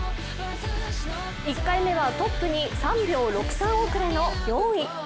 １回目はトップに３秒６３遅れの４位。